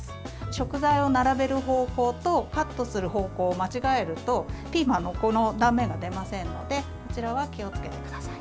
食材を並べる方向とカットする方向を間違えるとピーマンのこの断面が出ませんのでこちらは気をつけてください。